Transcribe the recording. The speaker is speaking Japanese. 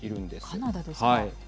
カナダですか。